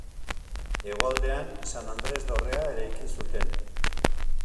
Hegoaldean San Andres dorrea eraiki zuten.